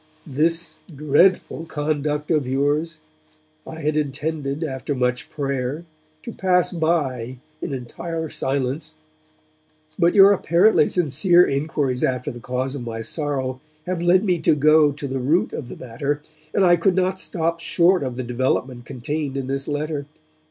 'This dreadful conduct of yours I had intended, after much prayer, to pass by in entire silence; but your apparently sincere inquiries after the cause of my sorrow have led me to go to the root of the matter, and I could not stop short of the development contained in this letter.